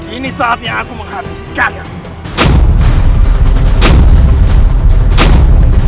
ini saatnya aku menghabisi kalian